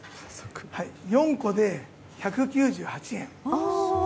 ４個で１９８円。